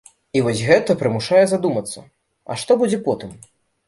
І вось гэта прымушае задумацца, а што будзе потым?